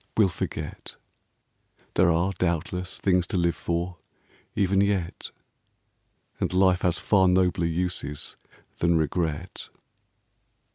We '11 forget. There are, doubtless, things to live for Even yet. And life has far nobler uses Than regret.